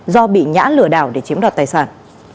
do bị ngã lừa đảo để chiếm đoạt tài sản